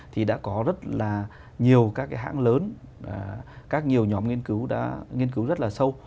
thì đã có rất là nhiều các cái hãng lớn các nhiều nhóm nghiên cứu đã nghiên cứu rất là sâu